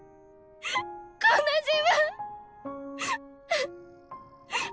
こんな自分。